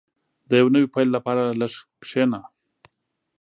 • د یو نوي پیل لپاره لږ کښېنه.